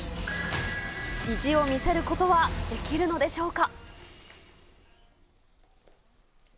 意地を見せることはできるのでしょうか？